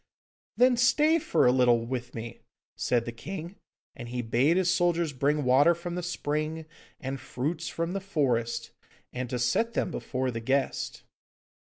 'Then stay for a little with me,' said the king, and he bade his soldiers bring water from the spring and fruits from the forest, and to set them before the guest.